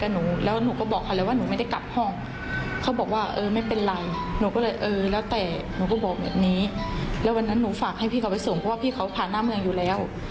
แล้ววันนั้นหนูฝากให้พี่เขาไปส่งเพราะว่าพี่เขาผ่านหน้าเมืองอยู่แล้ว